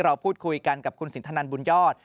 เราพูดคุยกันกับคุณสินทนันบุญยอด